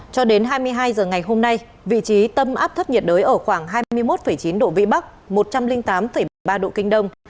cho đến hai mươi hai h ngày hôm nay vị trí tâm áp thấp nhiệt đới ở khoảng hai mươi một chín độ vĩ bắc một trăm linh tám một mươi ba độ kinh đông